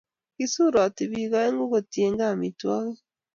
Kisuroto pik aengu kotienge amitwokik